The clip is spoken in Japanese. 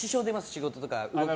仕事とか。